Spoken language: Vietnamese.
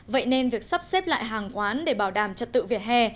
vậy nên việc sắp xếp lại hàng quán để bảo đảm trật tự vỉa hè